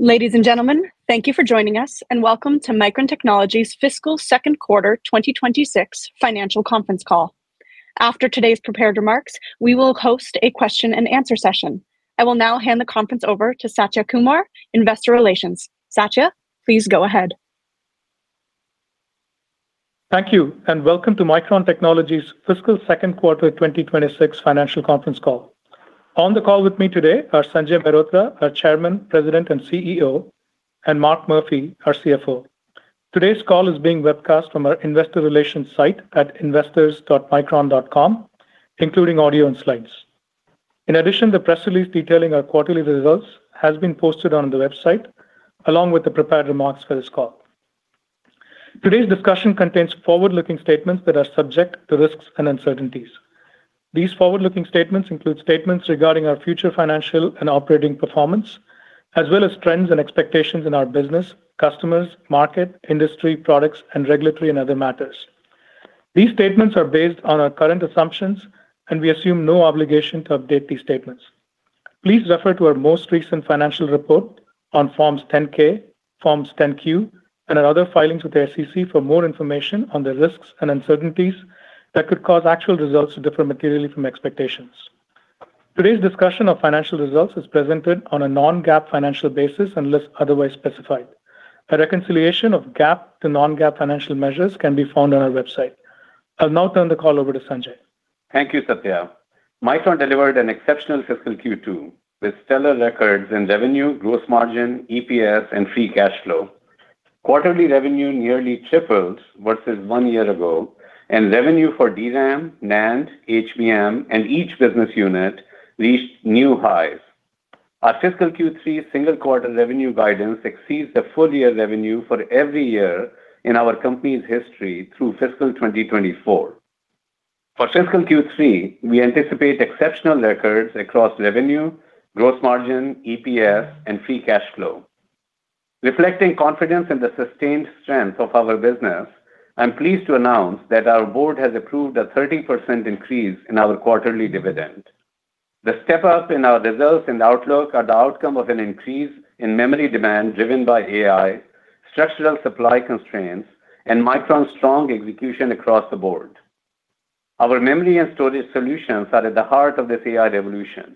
Ladies and gentlemen, thank you for joining us, and welcome to Micron Technology's Fiscal Second Quarter 2026 Financial Conference Call. After today's prepared remarks, we will host a question and answer session. I will now hand the conference over to Satya Kumar, Investor Relations. Satya, please go ahead. Thank you, and welcome to Micron Technology's Fiscal Second Quarter 2026 Financial Conference Call. On the call with me today are Sanjay Mehrotra, our Chairman, President, and CEO, and Mark Murphy, our CFO. Today's call is being webcast from our investor relations site at investors.micron.com, including audio and slides. In addition, the press release detailing our quarterly results has been posted on the website, along with the prepared remarks for this call. Today's discussion contains forward-looking statements that are subject to risks and uncertainties. These forward-looking statements include statements regarding our future financial and operating performance, as well as trends and expectations in our business, customers, market, industry, products, and regulatory and other matters. These statements are based on our current assumptions, and we assume no obligation to update these statements. Please refer to our most recent financial report on Form 10-K, Form 10-Q, and our other filings with the SEC for more information on the risks and uncertainties that could cause actual results to differ materially from expectations. Today's discussion of financial results is presented on a Non-GAAP financial basis, unless otherwise specified. A reconciliation of GAAP to Non-GAAP financial measures can be found on our website. I'll now turn the call over to Sanjay. Thank you, Satya. Micron delivered an exceptional fiscal Q2, with stellar records in revenue, gross margin, EPS, and free cash flow. Quarterly revenue nearly tripled versus one year ago, and revenue for DRAM, NAND, HBM, and each business unit reached new highs. Our fiscal Q3 single quarter revenue guidance exceeds the full year revenue for every year in our company's history through fiscal 2024. For fiscal Q3, we anticipate exceptional records across revenue, gross margin, EPS, and free cash flow. Reflecting confidence in the sustained strength of our business, I'm pleased to announce that our board has approved a 13% increase in our quarterly dividend. The step up in our results and outlook are the outcome of an increase in memory demand driven by AI, structural supply constraints, and Micron's strong execution across the board. Our memory and storage solutions are at the heart of this AI revolution.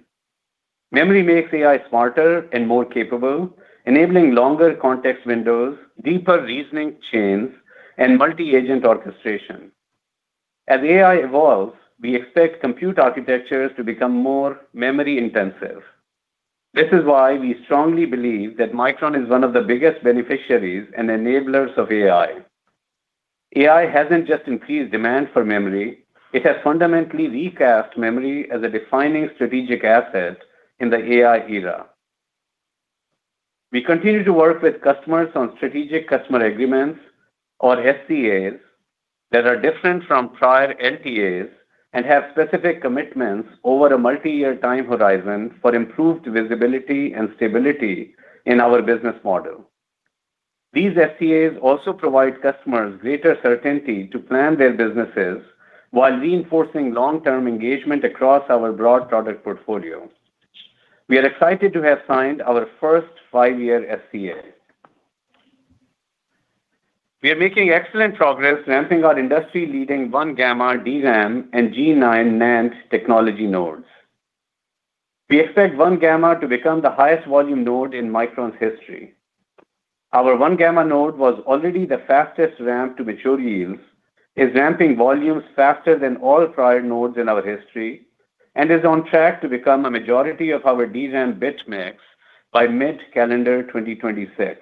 Memory makes AI smarter and more capable, enabling longer context windows, deeper reasoning chains, and multi-agent orchestration. As AI evolves, we expect compute architectures to become more memory intensive. This is why we strongly believe that Micron is one of the biggest beneficiaries and enablers of AI. AI hasn't just increased demand for memory. It has fundamentally recast memory as a defining strategic asset in the AI era. We continue to work with customers on strategic customer agreements, or SCAs, that are different from prior LTAs and have specific commitments over a multi-year time horizon for improved visibility and stability in our business model. These SCAs also provide customers greater certainty to plan their businesses while reinforcing long-term engagement across our broad product portfolio. We are excited to have signed our first five-year SCA. We are making excellent progress ramping our industry-leading 1-gamma DRAM and G9 NAND technology nodes. We expect 1-gamma to become the highest volume node in Micron's history. Our 1-gamma node was already the fastest ramp to mature yields, is ramping volumes faster than all prior nodes in our history, and is on track to become a majority of our DRAM bit mix by mid-calendar 2026.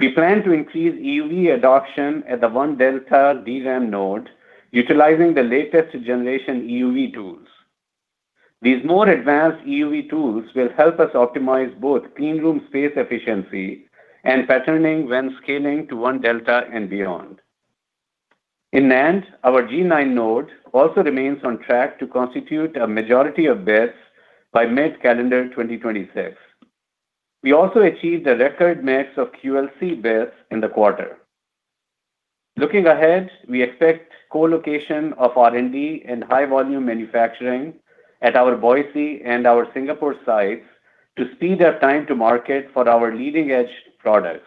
We plan to increase EUV adoption at the 1-delta DRAM node, utilizing the latest generation EUV tools. These more advanced EUV tools will help us optimize both clean room space efficiency and patterning when scaling to 1-delta and beyond. In NAND, our G9 node also remains on track to constitute a majority of bits by mid-calendar 2026. We also achieved a record mix of QLC bits in the quarter. Looking ahead, we expect co-location of R&D and high volume manufacturing at our Boise and our Singapore sites to speed up time to market for our leading-edge products.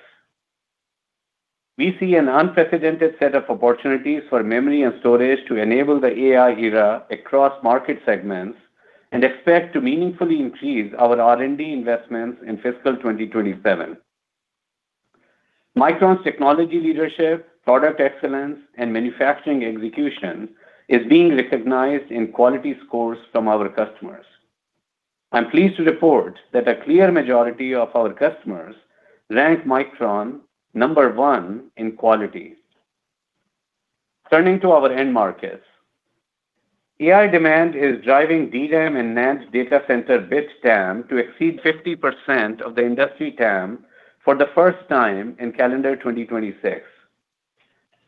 We see an unprecedented set of opportunities for memory and storage to enable the AI era across market segments and expect to meaningfully increase our R&D investments in fiscal 2027. Micron's technology leadership, product excellence, and manufacturing execution is being recognized in quality scores from our customers. I'm pleased to report that a clear majority of our customers rank Micron number one in quality. Turning to our end markets. AI demand is driving DRAM and NAND data center bit TAM to exceed 50% of the industry TAM for the first time in calendar 2026.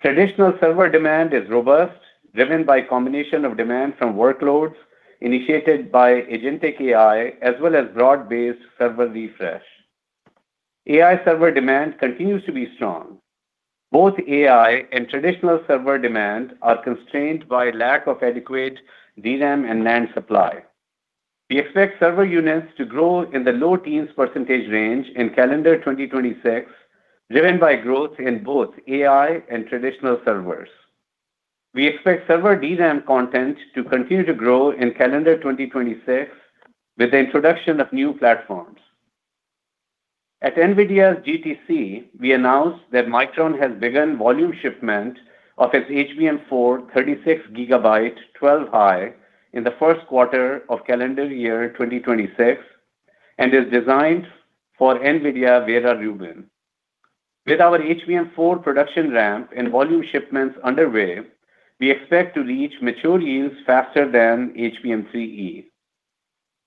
Traditional server demand is robust, driven by a combination of demand from workloads initiated by agentic AI, as well as broad-based server refresh. AI server demand continues to be strong. Both AI and traditional server demand are constrained by lack of adequate DRAM and NAND supply. We expect server units to grow in the low teens % range in calendar 2026, driven by growth in both AI and traditional servers. We expect server DRAM content to continue to grow in calendar 2026 with the introduction of new platforms. At NVIDIA's GTC, we announced that Micron has begun volume shipment of its HBM4 36 GB 12-high in the first quarter of calendar year 2026 and is designed for NVIDIA Rubin. With our HBM4 production ramp and volume shipments underway, we expect to reach mature yields faster than HBM3E.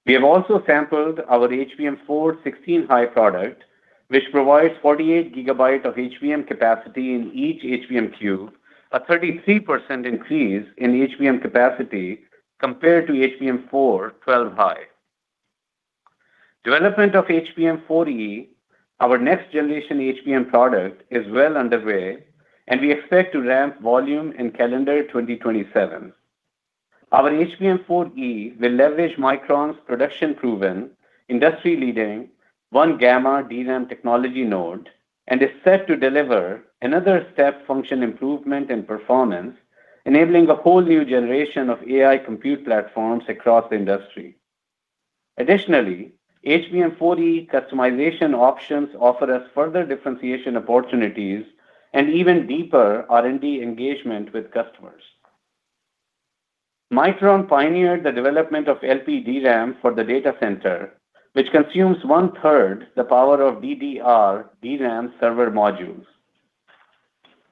We have also sampled our HBM4 16-high product, which provides 48 GB of HBM capacity in each HBM cube, a 33% increase in HBM capacity compared to HBM4 12-high. Development of HBM4E, our next generation HBM product, is well underway, and we expect to ramp volume in calendar 2027. Our HBM4E will leverage Micron's production-proven, industry-leading, 1-gamma DRAM technology node and is set to deliver another step function improvement in performance, enabling a whole new generation of AI compute platforms across the industry. Additionally, HBM4E customization options offer us further differentiation opportunities and even deeper R&D engagement with customers. Micron pioneered the development of LPDRAM for the data center, which consumes one third the power of DDR DRAM server modules.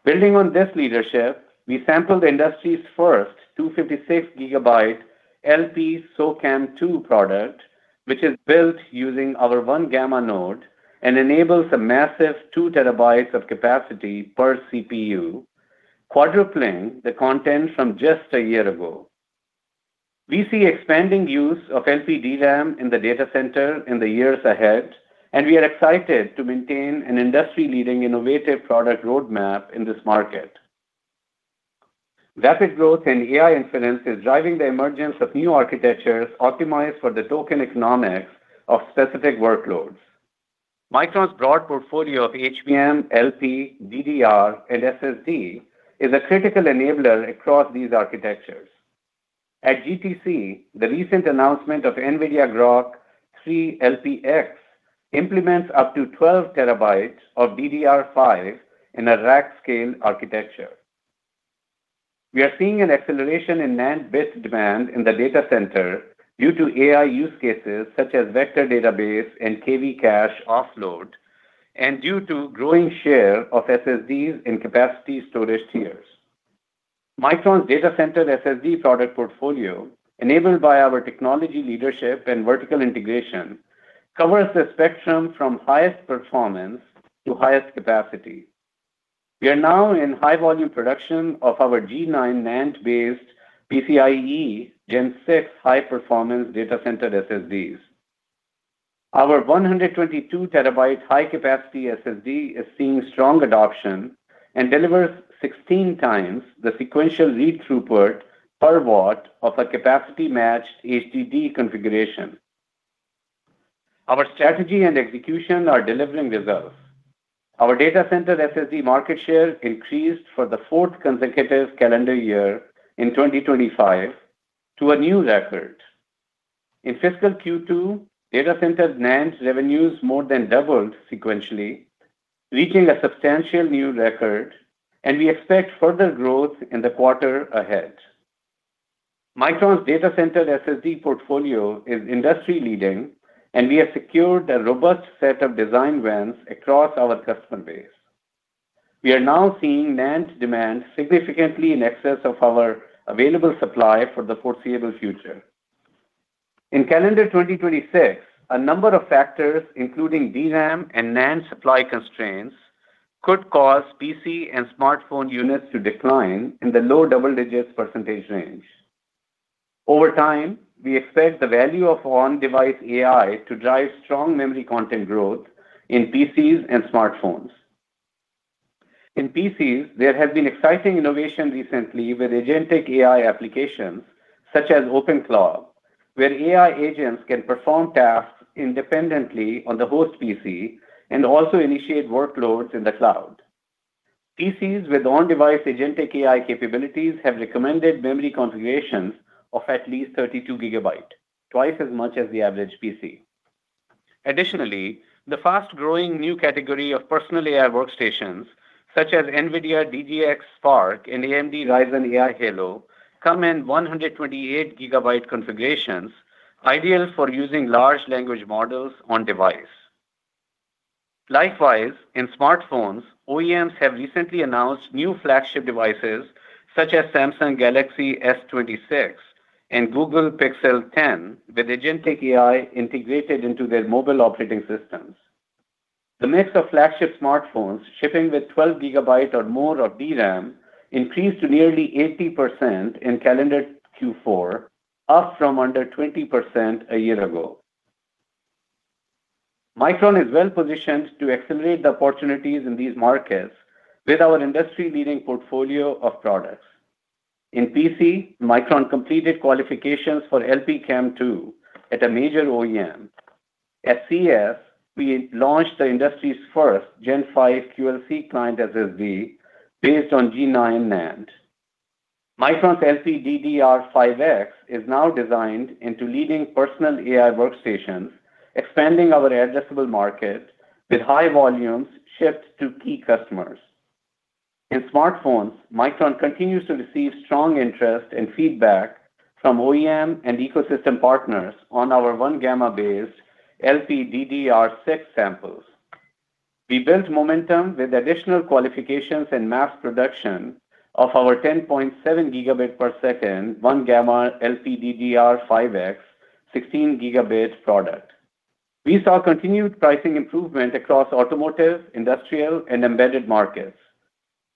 Building on this leadership, we sampled the industry's first 256 GB LPCAMM2 product, which is built using our 1-gamma node and enables a massive 2 TB of capacity per CPU, quadrupling the content from just a year ago. We see expanding use of LPDRAM in the data center in the years ahead, and we are excited to maintain an industry-leading innovative product roadmap in this market. Rapid growth in AI inference is driving the emergence of new architectures optimized for the token economics of specific workloads. Micron's broad portfolio of HBM, LP, DDR, and SSD is a critical enabler across these architectures. At GTC, the recent announcement of Nvidia Groq 3 LPX implements up to 12 TB of DDR5 in a rack-scale architecture. We are seeing an acceleration in NAND bit demand in the data center due to AI use cases such as vector database and KV cache offload and due to growing share of SSDs in capacity storage tiers. Micron's data center SSD product portfolio, enabled by our technology leadership and vertical integration, covers the spectrum from highest performance to highest capacity. We are now in high volume production of our G9 NAND-based PCIe Gen 6 high-performance data center SSDs. Our 122 TB high-capacity SSD is seeing strong adoption and delivers 16 times the sequential read throughput per watt of a capacity matched HDD configuration. Our strategy and execution are delivering results. Our data center SSD market share increased for the fourth consecutive calendar year in 2025 to a new record. In fiscal Q2, data centers NAND revenues more than doubled sequentially, reaching a substantial new record, and we expect further growth in the quarter ahead. Micron's data center SSD portfolio is industry leading, and we have secured a robust set of design wins across our customer base. We are now seeing NAND demand significantly in excess of our available supply for the foreseeable future. In calendar 2026, a number of factors, including DRAM and NAND supply constraints, could cause PC and smartphone units to decline in the low double digits % range. Over time, we expect the value of on-device AI to drive strong memory content growth in PCs and smartphones. In PCs, there have been exciting innovation recently with agentic AI applications such as OpenDevin, where AI agents can perform tasks independently on the host PC and also initiate workloads in the cloud. PCs with on-device agentic AI capabilities have recommended memory configurations of at least 32 GB, twice as much as the average PC. Additionally, the fast-growing new category of personal AI workstations such as NVIDIA DGX Spark and AMD Ryzen AI Halo come in 128 GB configurations, ideal for using large language models on device. Likewise, in smartphones, OEMs have recently announced new flagship devices such as Samsung Galaxy S26 and Google Pixel 10 with agentic AI integrated into their mobile operating systems. The mix of flagship smartphones shipping with 12 GB or more of DRAM increased to nearly 80% in calendar Q4, up from under 20% a year ago. Micron is well positioned to accelerate the opportunities in these markets with our industry-leading portfolio of products. In PC, Micron completed qualifications for LPCAMM2 at a major OEM. At CES, we launched the industry's first Gen5 QLC client SSD based on G9 NAND. Micron's LPDDR5X is now designed into leading personal AI workstations, expanding our addressable market with high volumes shipped to key customers. In smartphones, Micron continues to receive strong interest and feedback from OEM and ecosystem partners on our 1-gamma based LPDDR6 samples. We built momentum with additional qualifications and mass production of our 10.7 gigabit per second 1-gamma LPDDR5X 16 gigabits product. We saw continued pricing improvement across automotive, industrial, and embedded markets.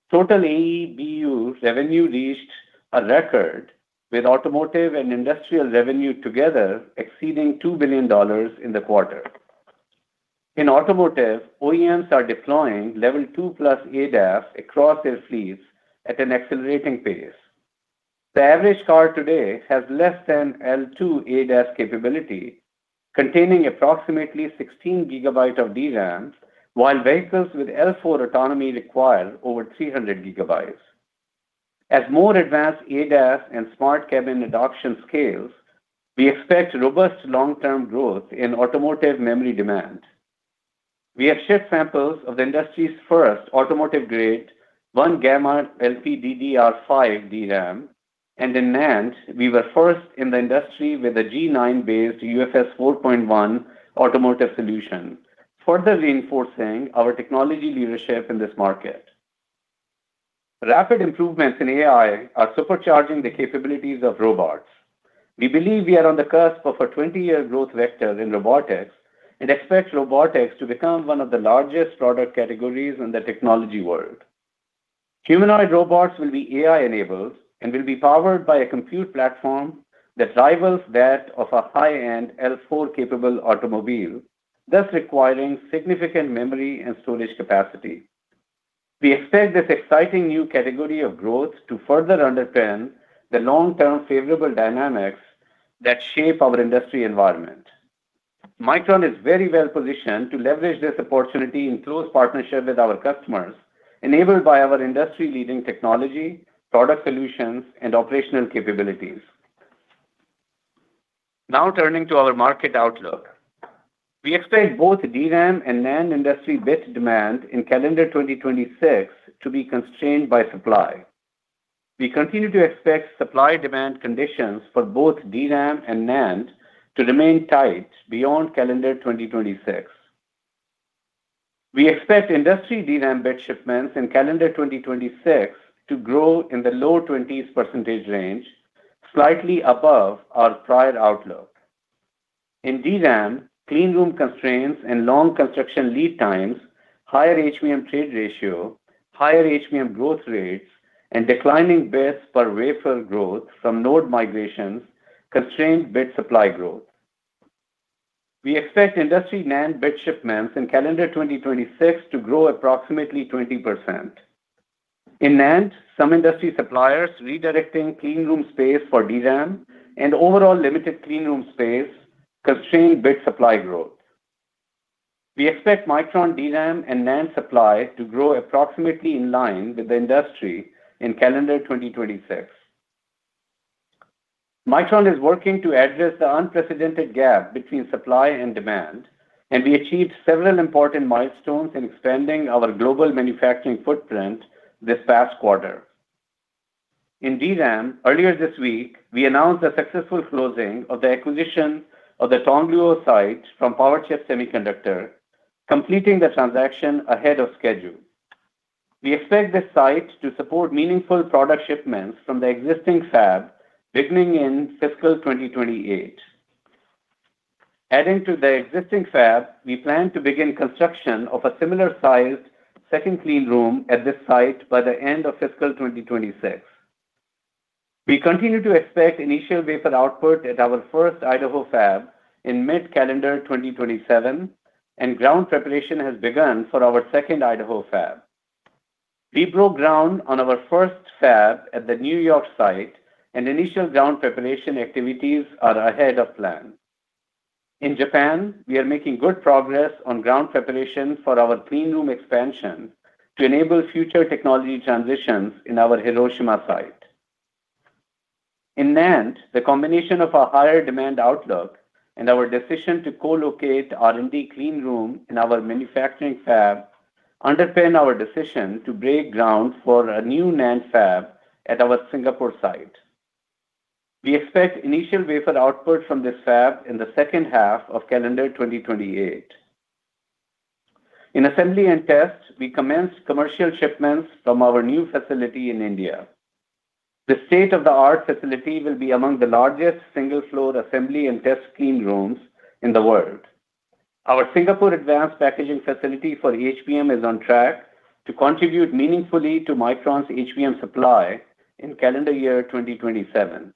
Total AEBU revenue reached a record, with automotive and industrial revenue together exceeding $2 billion in the quarter. In automotive, OEMs are deploying level 2+ ADAS across their fleets at an accelerating pace. The average car today has less than L2 ADAS capability, containing approximately 16 GB of DRAMs, while vehicles with L4 autonomy require over 300 GB. As more advanced ADAS and smart cabin adoption scales, we expect robust long-term growth in automotive memory demand. We have shipped samples of the industry's first automotive grade 1-gamma LPDDR5 DRAM, and in NAND, we were first in the industry with a G9 based UFS 4.1 automotive solution, further reinforcing our technology leadership in this market. Rapid improvements in AI are supercharging the capabilities of robots. We believe we are on the cusp of a 20-year growth vector in robotics and expect robotics to become one of the largest product categories in the technology world. Humanoid robots will be AI enabled and will be powered by a compute platform that rivals that of a high-end L4 capable automobile, thus requiring significant memory and storage capacity. We expect this exciting new category of growth to further underpin the long-term favorable dynamics that shape our industry environment. Micron is very well positioned to leverage this opportunity in close partnership with our customers, enabled by our industry leading technology, product solutions, and operational capabilities. Now turning to our market outlook. We expect both DRAM and NAND industry bit demand in calendar 2026 to be constrained by supply. We continue to expect supply demand conditions for both DRAM and NAND to remain tight beyond calendar 2026. We expect industry DRAM bit shipments in calendar 2026 to grow in the low 20s% range, slightly above our prior outlook. In DRAM, cleanroom constraints and long construction lead times, higher HBM trade ratio, higher HBM growth rates, and declining bits per wafer growth from node migrations constrained bit supply growth. We expect industry NAND bit shipments in calendar 2026 to grow approximately 20%. In NAND, some industry suppliers redirecting cleanroom space for DRAM and overall limited cleanroom space constrained bit supply growth. We expect Micron DRAM and NAND supply to grow approximately in line with the industry in calendar 2026. Micron is working to address the unprecedented gap between supply and demand, and we achieved several important milestones in expanding our global manufacturing footprint this past quarter. In DRAM, earlier this week, we announced the successful closing of the acquisition of the Tongluo site from Powerchip Semiconductor, completing the transaction ahead of schedule. We expect this site to support meaningful product shipments from the existing fab beginning in fiscal 2028. Adding to the existing fab, we plan to begin construction of a similar sized second clean room at this site by the end of fiscal 2026. We continue to expect initial wafer output at our first Idaho fab in mid-calendar 2027, and ground preparation has begun for our second Idaho fab. We broke ground on our first fab at the New York site, and initial ground preparation activities are ahead of plan. In Japan, we are making good progress on ground preparation for our clean room expansion to enable future technology transitions in our Hiroshima site. In NAND, the combination of a higher demand outlook and our decision to co-locate R&D clean room in our manufacturing fab underpin our decision to break ground for a new NAND fab at our Singapore site. We expect initial wafer output from this fab in the second half of calendar 2028. In assembly and test, we commenced commercial shipments from our new facility in India. The state-of-the-art facility will be among the largest single flow assembly and test clean rooms in the world. Our Singapore advanced packaging facility for HBM is on track to contribute meaningfully to Micron's HBM supply in calendar year 2027.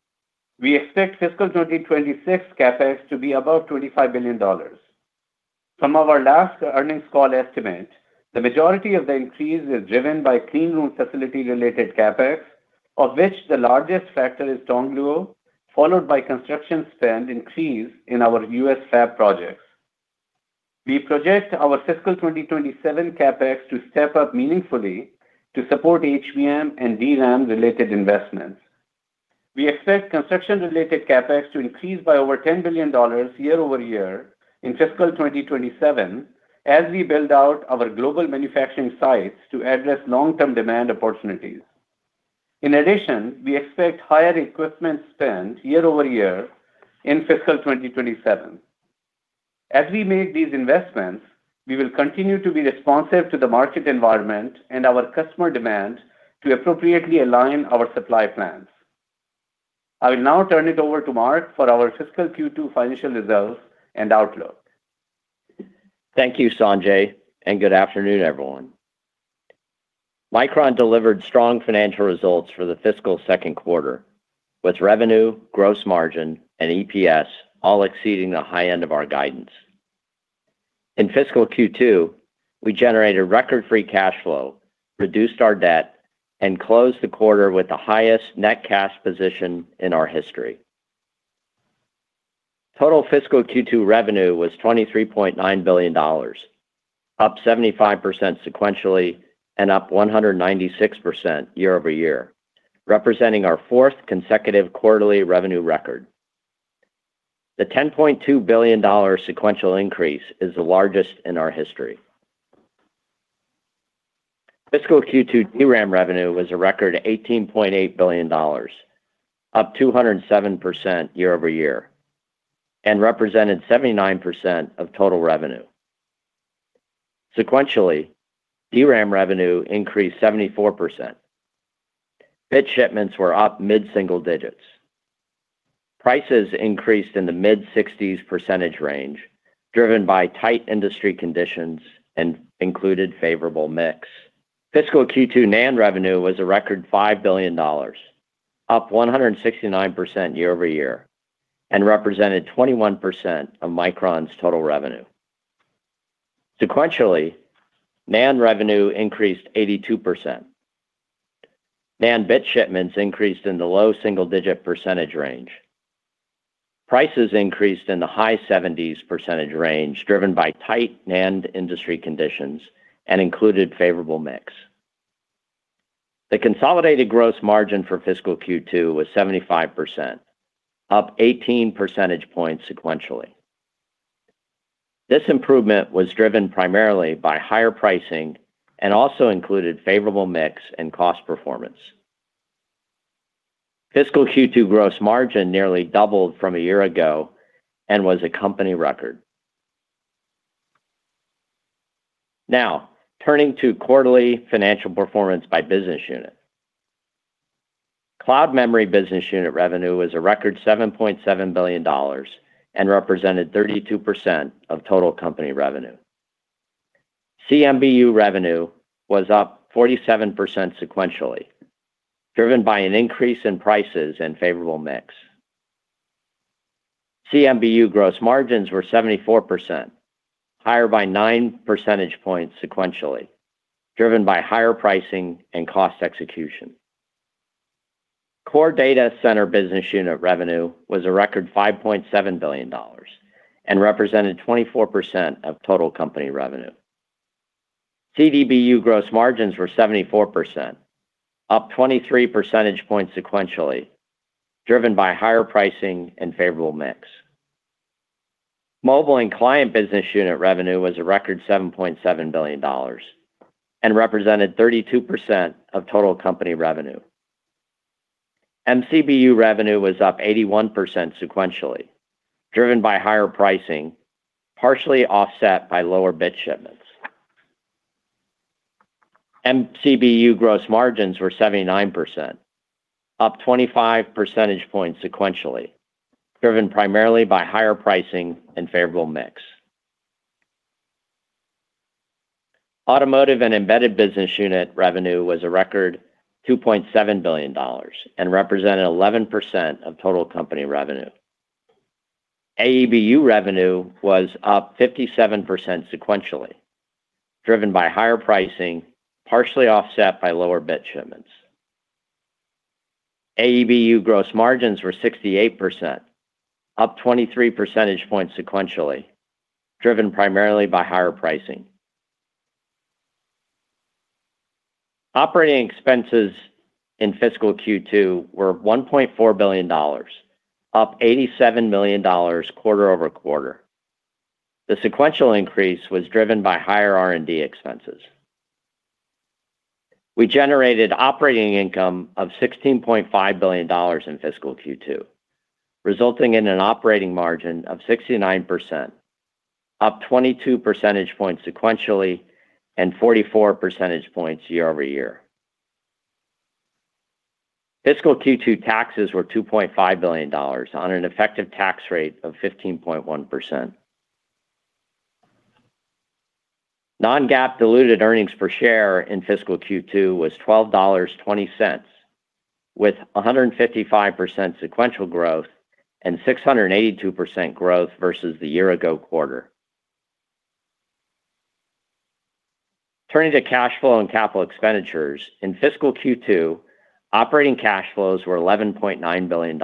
We expect fiscal 2026 CapEx to be above $25 billion. From our last earnings call estimate, the majority of the increase is driven by clean room facility related CapEx, of which the largest factor is Tongluo, followed by construction spend increase in our U.S. fab projects. We project our fiscal 2027 CapEx to step up meaningfully to support HBM and DRAM related investments. We expect construction related CapEx to increase by over $10 billion year-over-year in fiscal 2027 as we build out our global manufacturing sites to address long-term demand opportunities. In addition, we expect higher equipment spend year-over-year in fiscal 2027. As we make these investments, we will continue to be responsive to the market environment and our customer demand to appropriately align our supply plans. I will now turn it over to Mark for our fiscal Q2 financial results and outlook. Thank you, Sanjay, and good afternoon, everyone. Micron delivered strong financial results for the fiscal second quarter, with revenue, gross margin, and EPS all exceeding the high end of our guidance. In fiscal Q2, we generated record free cash flow, reduced our debt, and closed the quarter with the highest net cash position in our history. Total fiscal Q2 revenue was $23.9 billion, up 75% sequentially and up 196% year-over-year, representing our fourth consecutive quarterly revenue record. The $10.2 billion sequential increase is the largest in our history. Fiscal Q2 DRAM revenue was a record $18.8 billion, up 207% year-over-year, and represented 79% of total revenue. Sequentially, DRAM revenue increased 74%. Bit shipments were up mid-single digits. Prices increased in the mid-60s% range, driven by tight industry conditions and included favorable mix. Fiscal Q2 NAND revenue was a record $5 billion, up 169% year-over-year, and represented 21% of Micron's total revenue. Sequentially, NAND revenue increased 82%. NAND bit shipments increased in the low single-digit% range. Prices increased in the high 70s% range, driven by tight NAND industry conditions and included favorable mix. The consolidated gross margin for fiscal Q2 was 75%, up 18 percentage points sequentially. This improvement was driven primarily by higher pricing and also included favorable mix and cost performance. Fiscal Q2 gross margin nearly doubled from a year ago and was a company record. Now, turning to quarterly financial performance by business unit. Cloud Memory Business Unit revenue was a record $7.7 billion and represented 32% of total company revenue. CMBU revenue was up 47% sequentially, driven by an increase in prices and favorable mix. CMBU gross margins were 74%, higher by nine percentage points sequentially, driven by higher pricing and cost execution. Core Data Center Business Unit revenue was a record $5.7 billion and represented 24% of total company revenue. CDBU gross margins were 74%, up 23 percentage points sequentially, driven by higher pricing and favorable mix. Mobile and Client Business Unit revenue was a record $7.7 billion and represented 32% of total company revenue. MCBU revenue was up 81% sequentially, driven by higher pricing, partially offset by lower bit shipments. MCBU gross margins were 79%, up 25 percentage points sequentially, driven primarily by higher pricing and favorable mix. Automotive and Embedded Business Unit revenue was a record $2.7 billion and represented 11% of total company revenue. AEBU revenue was up 57% sequentially, driven by higher pricing, partially offset by lower bit shipments. AEBU gross margins were 68%, up 23 percentage points sequentially, driven primarily by higher pricing. Operating expenses in fiscal Q2 were $1.4 billion, up $87 million quarter-over-quarter. The sequential increase was driven by higher R&D expenses. We generated operating income of $16.5 billion in fiscal Q2, resulting in an operating margin of 69%, up 22 percentage points sequentially and 44 percentage points year-over-year. Fiscal Q2 taxes were $2.5 billion on an effective tax rate of 15.1%. Non-GAAP diluted earnings per share in fiscal Q2 was $12.20, with 155% sequential growth and 682% growth versus the year-ago quarter. Turning to cash flow and capital expenditures, in fiscal Q2, operating cash flows were $11.9 billion.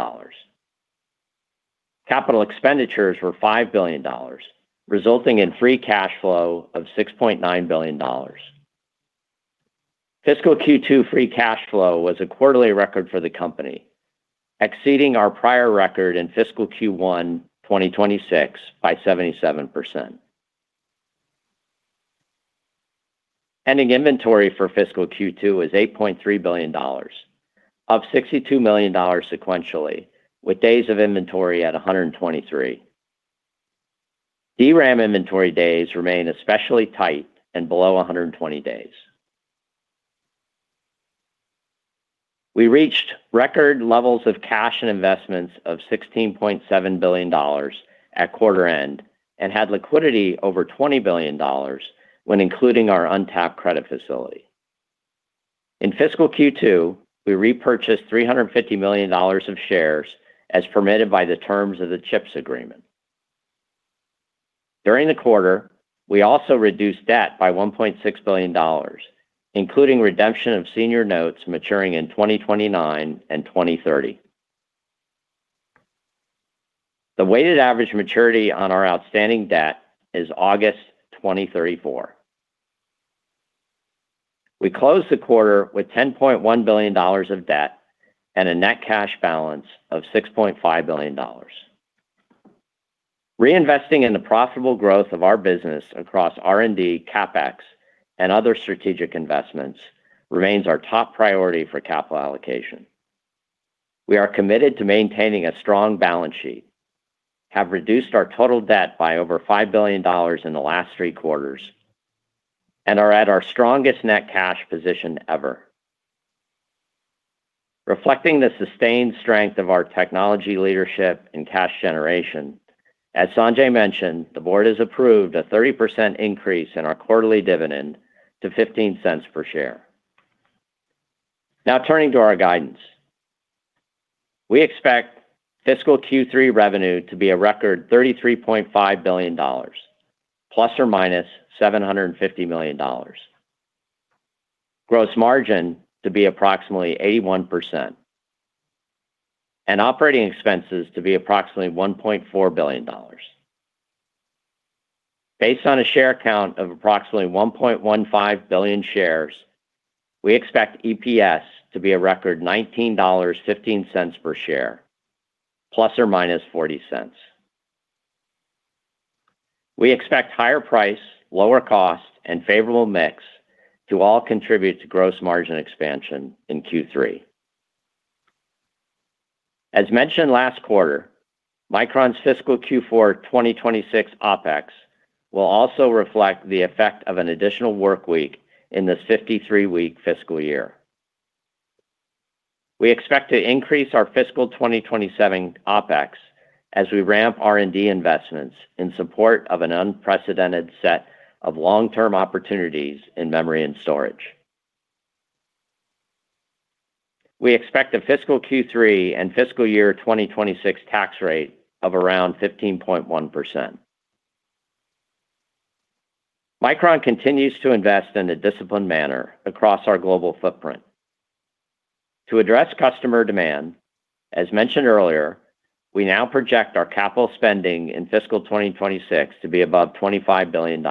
Capital expenditures were $5 billion, resulting in free cash flow of $6.9 billion. Fiscal Q2 free cash flow was a quarterly record for the company, exceeding our prior record in fiscal Q1 2026 by 77%. Ending inventory for fiscal Q2 was $8.3 billion, up $62 million sequentially, with days of inventory at 123. DRAM inventory days remain especially tight and below 120 days. We reached record levels of cash and investments of $16.7 billion at quarter end and had liquidity over $20 billion when including our untapped credit facility. In fiscal Q2, we repurchased $350 million of shares as permitted by the terms of the CHIPS Agreement. During the quarter, we also reduced debt by $1.6 billion, including redemption of senior notes maturing in 2029 and 2030. The weighted average maturity on our outstanding debt is August 2034. We closed the quarter with $10.1 billion of debt and a net cash balance of $6.5 billion. Reinvesting in the profitable growth of our business across R&D, CapEx, and other strategic investments remains our top priority for capital allocation. We are committed to maintaining a strong balance sheet, have reduced our total debt by over $5 billion in the last three quarters, and are at our strongest net cash position ever. Reflecting the sustained strength of our technology leadership and cash generation, as Sanjay mentioned, the board has approved a 30% increase in our quarterly dividend to $0.15 per share. Now turning to our guidance. We expect fiscal Q3 revenue to be a record $33.5 billion ± $750 million. Gross margin to be approximately 81%, and operating expenses to be approximately $1.4 billion. Based on a share count of approximately 1.15 billion shares, we expect EPS to be a record $19.15 per share ± $0.40. We expect higher price, lower cost, and favorable mix to all contribute to gross margin expansion in Q3. As mentioned last quarter, Micron's fiscal Q4 2026 OpEx will also reflect the effect of an additional work week in this 53-week fiscal year. We expect to increase our fiscal 2027 OpEx as we ramp R&D investments in support of an unprecedented set of long-term opportunities in memory and storage. We expect a fiscal Q3 and fiscal year 2026 tax rate of around 15.1%. Micron continues to invest in a disciplined manner across our global footprint. To address customer demand, as mentioned earlier, we now project our capital spending in fiscal 2026 to be above $25 billion.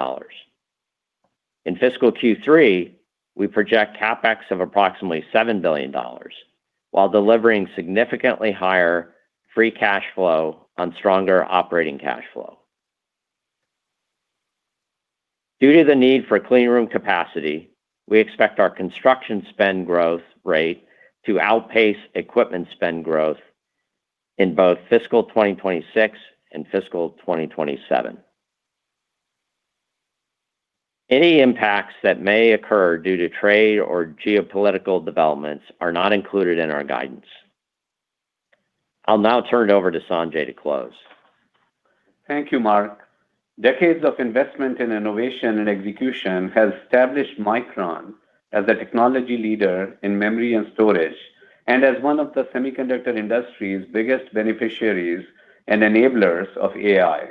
In fiscal Q3, we project CapEx of approximately $7 billion while delivering significantly higher free cash flow on stronger operating cash flow. Due to the need for clean room capacity, we expect our construction spend growth rate to outpace equipment spend growth in both fiscal 2026 and fiscal 2027. Any impacts that may occur due to trade or geopolitical developments are not included in our guidance. I'll now turn it over to Sanjay to close. Thank you, Mark. Decades of investment in innovation and execution has established Micron as a technology leader in memory and storage and as one of the semiconductor industry's biggest beneficiaries and enablers of AI.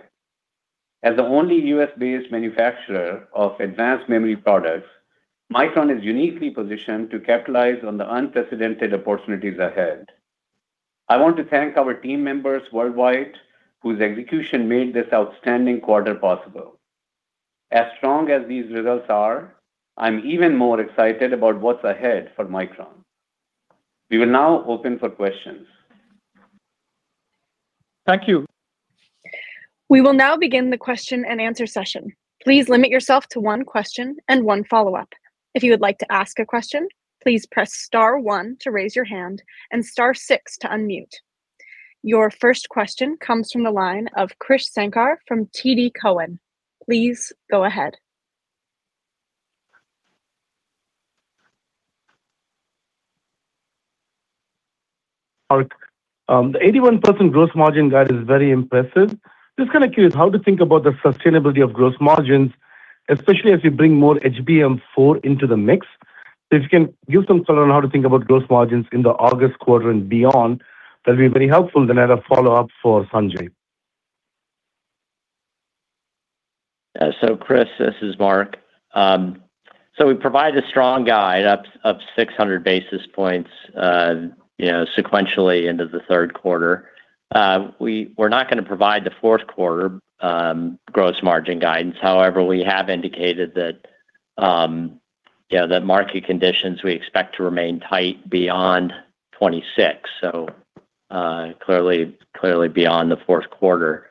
As the only U.S.-based manufacturer of advanced memory products, Micron is uniquely positioned to capitalize on the unprecedented opportunities ahead. I want to thank our team members worldwide whose execution made this outstanding quarter possible. As strong as these results are, I'm even more excited about what's ahead for Micron. We will now open for questions. Thank you. We will now begin the question and answer session. Please limit yourself to one question and one follow-up. If you would like to ask a question, please press star one to raise your hand and star six to unmute. Your first question comes from the line of Krish Sankar from TD Cowen. Please go ahead. Mark, the 81% gross margin guide is very impressive. Just kind of curious how to think about the sustainability of gross margins, especially as you bring more HBM4 into the mix. If you can give some color on how to think about gross margins in the August quarter and beyond, that'd be very helpful. Then I have a follow-up for Sanjay. Chris, this is Mark. We provide a strong guide up of 600 basis points sequentially into the third quarter. We're not gonna provide the fourth quarter gross margin guidance. However, we have indicated that market conditions we expect to remain tight beyond 2026, clearly beyond the fourth quarter.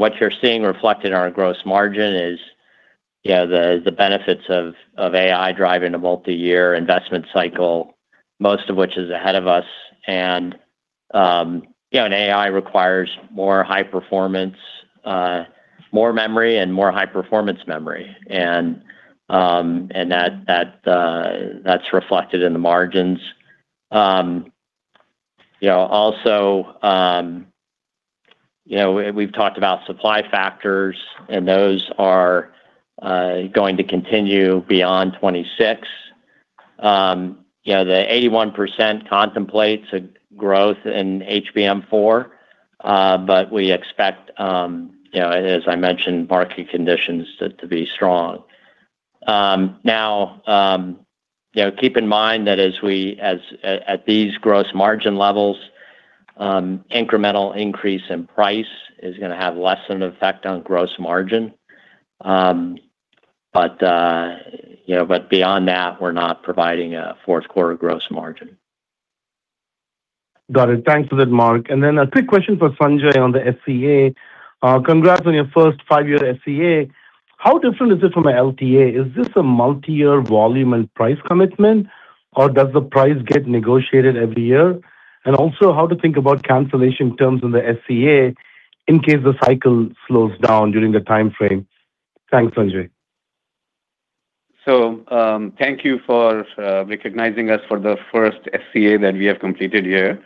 What you're seeing reflected in our gross margin is the benefits of AI driving a multiyear investment cycle, most of which is ahead of us. AI requires more high performance more memory and more high-performance memory. That's reflected in the margins. We've talked about supply factors, and those are going to continue beyond 2026. You know, the 81% contemplates a growth in HBM4, but we expect, you know, as I mentioned, market conditions to be strong. Now, you know, keep in mind that as at these gross margin levels, incremental increase in price is gonna have less of an effect on gross margin. But, you know, beyond that, we're not providing a fourth quarter gross margin. Got it. Thanks for that, Mark. A quick question for Sanjay on the SCA. Congrats on your first five-year SCA. How different is it from an LTA? Is this a multiyear volume and price commitment, or does the price get negotiated every year? Also, how to think about cancellation terms on the SCA in case the cycle slows down during the timeframe. Thanks, Sanjay. Thank you for recognizing us for the first SCA that we have completed here.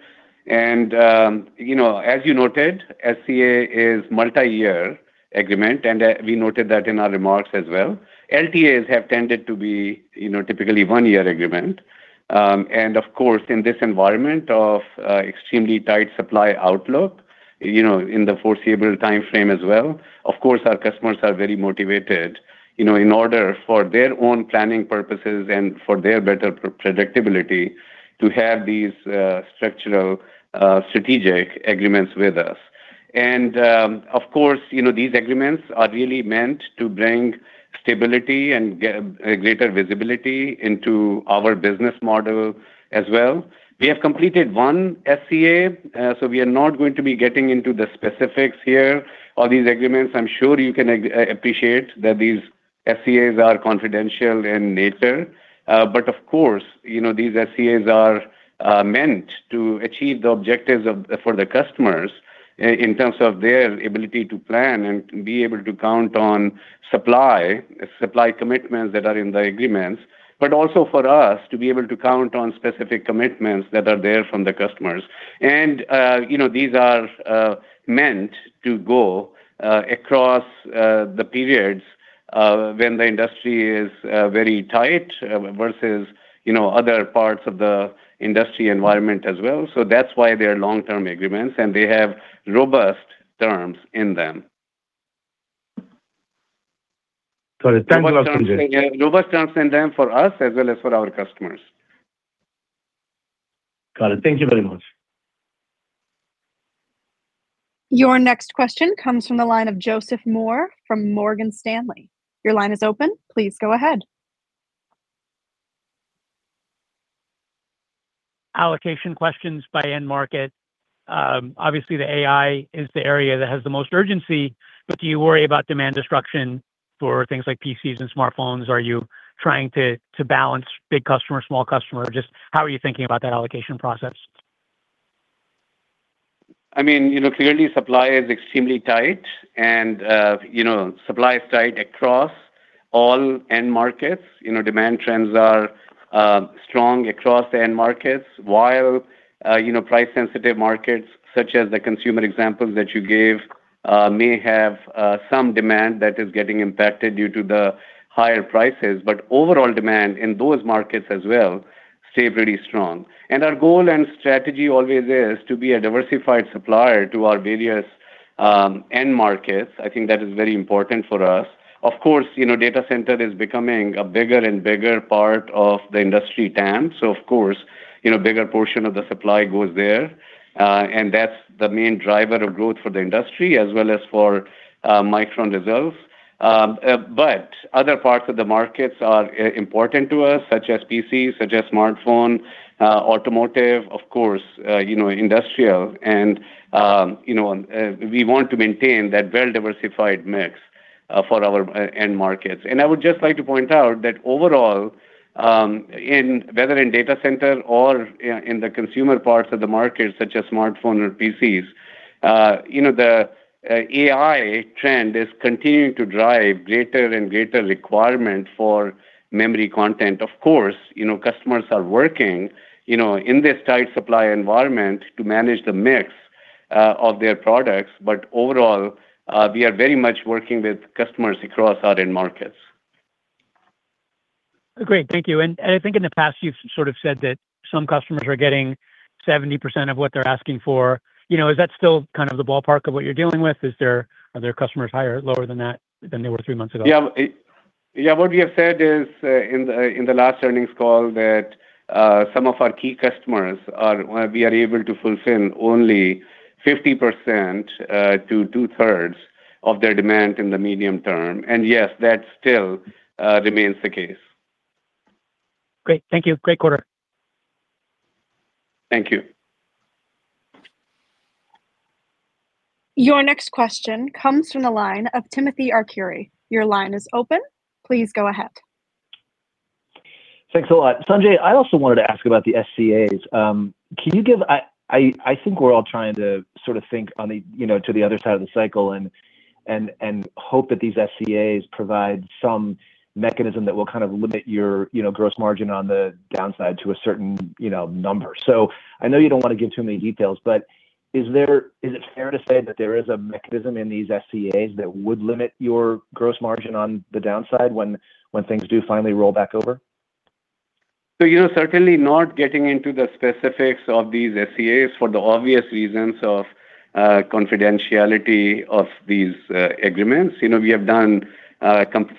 You know, as you noted, SCA is multiyear agreement, and we noted that in our remarks as well. LTAs have tended to be, you know, typically one year agreement. Of course, in this environment of extremely tight supply outlook, you know, in the foreseeable timeframe as well, of course, our customers are very motivated, you know, in order for their own planning purposes and for their better predictability to have these structural strategic agreements with us. Of course, you know, these agreements are really meant to bring stability and greater visibility into our business model as well. We have completed one SCA, so we are not going to be getting into the specifics here or these agreements. I'm sure you can appreciate that these SCAs are confidential in nature. Of course, you know, these SCAs are meant to achieve the objectives for the customers in terms of their ability to plan and be able to count on supply commitments that are in the agreements, but also for us to be able to count on specific commitments that are there from the customers. You know, these are meant to go across the periods when the industry is very tight versus, you know, other parts of the industry environment as well. That's why they're long-term agreements, and they have robust terms in them. Sorry, thanks, Sanjay. Robust terms in them for us as well as for our customers. Got it. Thank you very much. Your next question comes from the line of Joseph Moore from Morgan Stanley. Your line is open. Please go ahead. Allocation questions by end market. Obviously, the AI is the area that has the most urgency, but do you worry about demand destruction for things like PCs and smartphones? Are you trying to balance big customer, small customer? Just how are you thinking about that allocation process? I mean, you know, clearly supply is extremely tight and, you know, supply is tight across all end markets. You know, demand trends are strong across the end markets. While, you know, price-sensitive markets such as the consumer examples that you gave, may have some demand that is getting impacted due to the higher prices, but overall demand in those markets as well stay pretty strong. Our goal and strategy always is to be a diversified supplier to our various, end markets. I think that is very important for us. Of course, you know, data center is becoming a bigger and bigger part of the industry TAM. So of course, you know, bigger portion of the supply goes there, and that's the main driver of growth for the industry as well as for, Micron itself. Other parts of the markets are important to us, such as PC, such as smartphone, automotive, of course, you know, industrial. We want to maintain that well-diversified mix for our end markets. I would just like to point out that overall, whether in data center or in the consumer parts of the market, such as smartphone or PCs, you know, the AI trend is continuing to drive greater and greater requirement for memory content. Of course, you know, customers are working, you know, in this tight supply environment to manage the mix of their products. Overall, we are very much working with customers across our end markets. Great. Thank you. I think in the past you've sort of said that some customers are getting 70% of what they're asking for. You know, is that still kind of the ballpark of what you're dealing with? Are there customers higher or lower than that they were three months ago? Yeah. What we have said is, in the last earnings call that we are able to fulfill only 50% to 2/3 of their demand in the medium term. Yes, that still remains the case. Great. Thank you. Great quarter. Thank you. Your next question comes from the line of Timothy Arcuri. Your line is open. Please go ahead. Thanks a lot. Sanjay, I also wanted to ask about the SCAs. I think we're all trying to sort of think on the, you know, to the other side of the cycle and hope that these SCAs provide some mechanism that will kind of limit your, you know, gross margin on the downside to a certain, you know, number. I know you don't wanna give too many details, but is it fair to say that there is a mechanism in these SCAs that would limit your gross margin on the downside when things do finally roll back over? You know, certainly not getting into the specifics of these SCAs for the obvious reasons of confidentiality of these agreements. You know, we have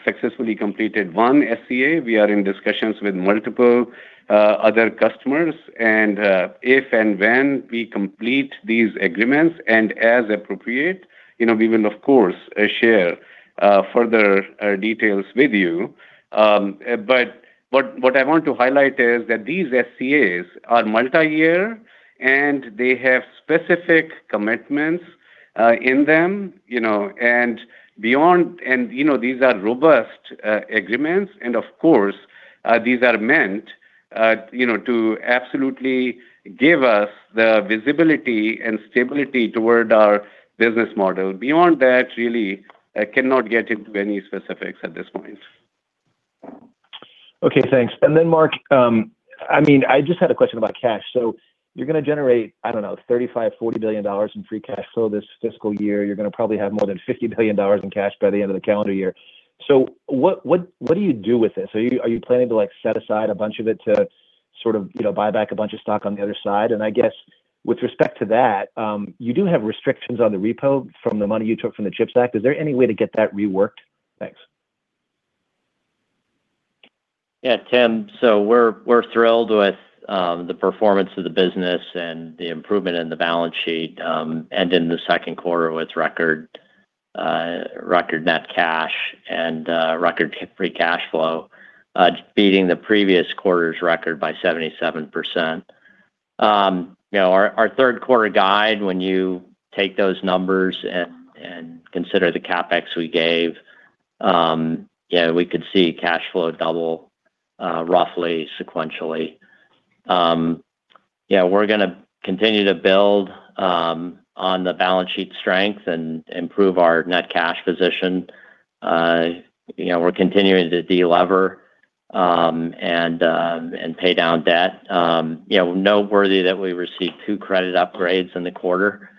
successfully completed one SCA. We are in discussions with multiple other customers. If and when we complete these agreements and as appropriate, you know, we will of course share further details with you. What I want to highlight is that these SCAs are multi-year, and they have specific commitments in them, you know. You know, these are robust agreements and of course these are meant, you know, to absolutely give us the visibility and stability toward our business model. Beyond that, really I cannot get into any specifics at this point. Okay, thanks. Mark, I mean, I just had a question about cash. You're gonna generate, I don't know, $35 billion-$40 billion in free cash flow this fiscal year. You're gonna probably have more than $50 billion in cash by the end of the calendar year. What do you do with this? Are you planning to like set aside a bunch of it to sort of, you know, buy back a bunch of stock on the other side? I guess with respect to that, you do have restrictions on the repo from the money you took from the CHIPS Act. Is there any way to get that reworked? Thanks. Tim, we're thrilled with the performance of the business and the improvement in the balance sheet, and in the second quarter with record net cash and record free cash flow, beating the previous quarter's record by 77%. You know, our third quarter guide, when you take those numbers and consider the CapEx we gave, we could see cash flow double, roughly sequentially. Yeah, we're gonna continue to build on the balance sheet strength and improve our net cash position. You know, we're continuing to delever and pay down debt. You know, noteworthy that we received two credit upgrades in the quarter.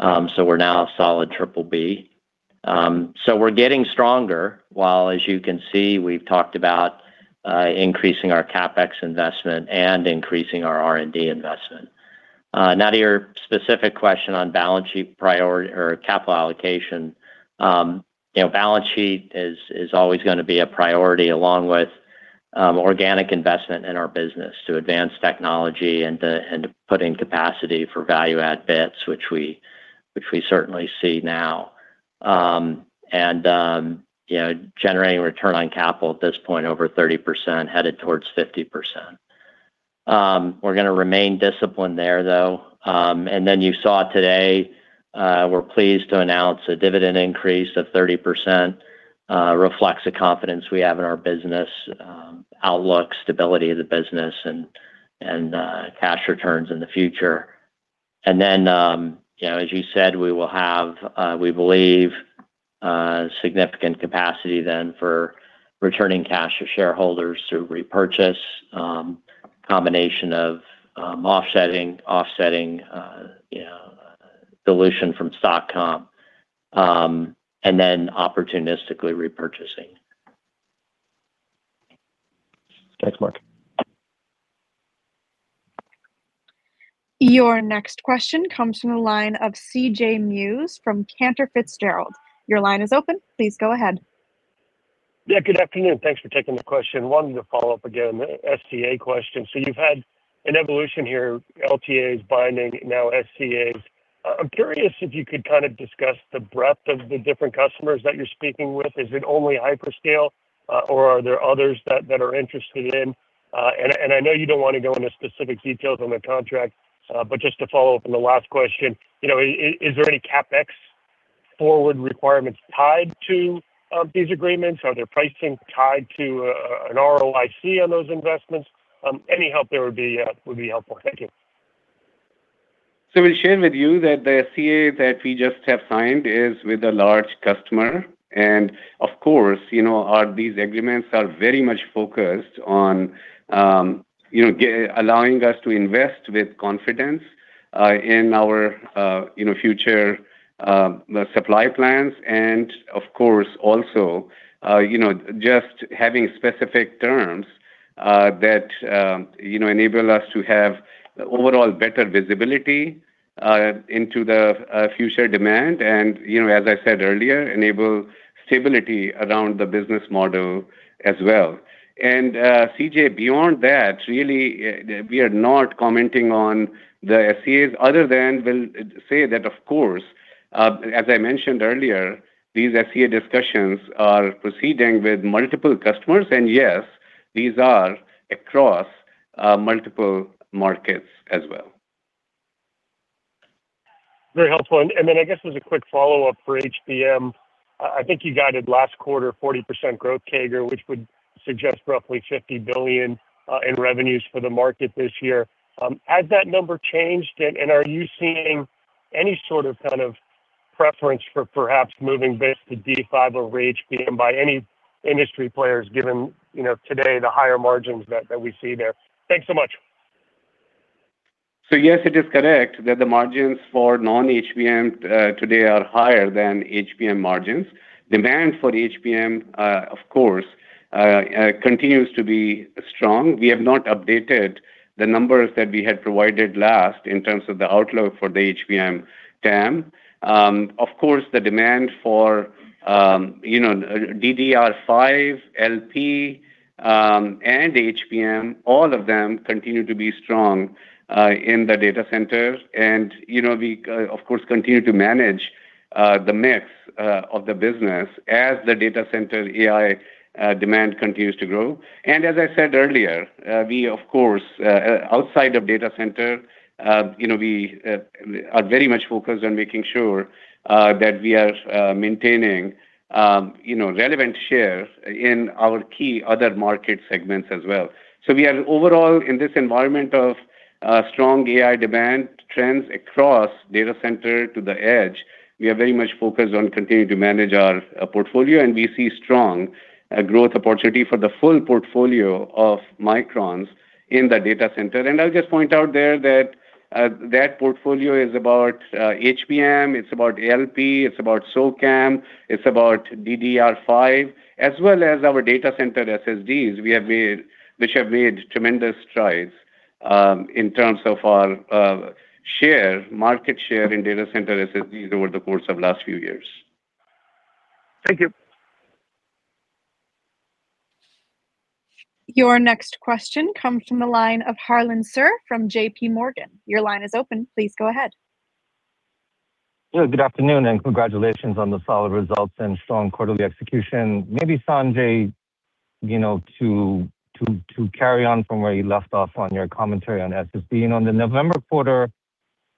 So we're now a solid triple B. We're getting stronger, while as you can see, we've talked about increasing our CapEx investment and increasing our R&D investment. Now to your specific question on balance sheet priority or capital allocation. You know, balance sheet is always gonna be a priority along with organic investment in our business to advance technology and to put in capacity for value add bits, which we certainly see now. You know, generating return on capital at this point, over 30%, headed towards 50%. We're gonna remain disciplined there though. You saw today, we're pleased to announce a dividend increase of 30%, reflects the confidence we have in our business outlook, stability of the business and cash returns in the future. You know, as you said, we will have, we believe, significant capacity then for returning cash to shareholders through repurchase, combination of offsetting, you know, dilution from stock comp, and then opportunistically repurchasing. Thanks, Mark. Your next question comes from the line of C.J. Muse from Cantor Fitzgerald. Your line is open. Please go ahead. Yeah, good afternoon. Thanks for taking the question. Wanted to follow up again, SCA question. So you've had an evolution here, LTAs binding, now SCAs. I'm curious if you could kind of discuss the breadth of the different customers that you're speaking with. Is it only Hyperscale, or are there others that are interested in? And I know you don't want to go into specific details on the contract. But just to follow up on the last question, you know, is there any CapEx forward requirements tied to these agreements? Are there pricing tied to an ROIC on those investments? Any help there would be helpful. Thank you. We'll share with you that the CA that we just have signed is with a large customer. Of course, you know, these agreements are very much focused on, you know, allowing us to invest with confidence in our, you know, future supply plans, and of course, also, you know, just having specific terms that, you know, enable us to have overall better visibility into the future demand and, you know, as I said earlier, enable stability around the business model as well. C.J., beyond that, really, we are not commenting on the CAs other than we'll say that, of course, as I mentioned earlier, these CA discussions are proceeding with multiple customers, and yes, these are across multiple markets as well. Very helpful. I guess there's a quick follow-up for HBM. I think you guided last quarter 40% growth CAGR, which would suggest roughly $50 billion in revenues for the market this year. Has that number changed? Are you seeing any sort of kind of preference for perhaps moving base to D5 over HBM by any industry players given you know today the higher margins we see there? Thanks so much. Yes, it is correct that the margins for non-HBM today are higher than HBM margins. Demand for HBM of course continues to be strong. We have not updated the numbers that we had provided last in terms of the outlook for the HBM TAM. Of course, the demand for you know DDR5, LP and HBM, all of them continue to be strong in the data centers. You know, of course continue to manage the mix of the business as the data center AI demand continues to grow. As I said earlier, we of course outside of data center you know we are very much focused on making sure that we are maintaining you know relevant share in our key other market segments as well. We are overall in this environment of strong AI demand trends across data center to the edge. We are very much focused on continuing to manage our portfolio, and we see strong growth opportunity for the full portfolio of Micron's in the data center. I'll just point out there that that portfolio is about HBM, it's about LP, it's about CAMM2, it's about DDR5, as well as our data center SSDs, which have made tremendous strides in terms of our market share in data center SSDs over the course of last few years. Thank you. Your next question comes from the line of Harlan Sur from J.P. Morgan. Your line is open. Please go ahead. Yeah, good afternoon, and congratulations on the solid results and strong quarterly execution. Maybe, Sanjay, you know, to carry on from where you left off on your commentary on SSD. You know, in the November quarter